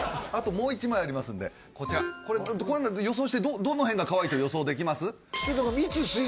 あともう一枚ありますんでこちらこれ予想してどの辺がかわいいと予想できます？